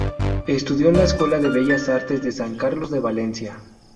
Estudió en la Escuela de Bellas Artes de San Carlos de Valencia.